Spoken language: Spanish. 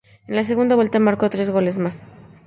En la segunda vuelta, marcó tres goles más.